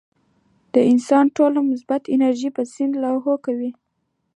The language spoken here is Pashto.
د انسان ټوله مثبت انرجي پۀ سين لاهو کوي -